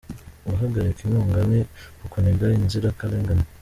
Guhagarika inkunga ni ukuniga inzirakarengane